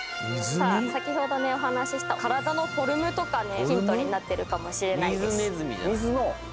さあ先ほどねお話しした体のフォルムとかねヒントになってるかもしれないですああー